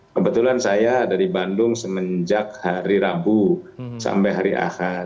kebetulan saya ada di bandung semenjak hari rabu sampai hari ahad